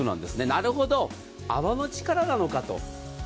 なるほど、泡の力なのかと。